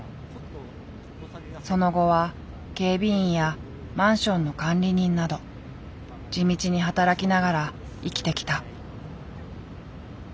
その後は警備員やマンションの管理人など地道に働きながら生きてきた。